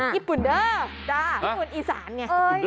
ญี่ปุ่นเด้อญี่ปุ่นอีสานไง